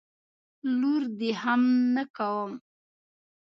لور دي هم نه کوم.